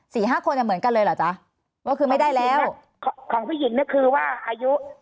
ห้าคนเนี่ยเหมือนกันเลยเหรอจ๊ะก็คือไม่ได้แล้วของผู้หญิงเนี่ยคือว่าอายุ